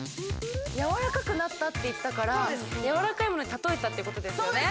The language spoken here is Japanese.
やわらかくなったって言ってたからやわらかいものにたとえたっていうことですよね